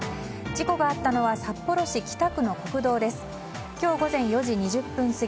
事故があったのは札幌市北区の国道です。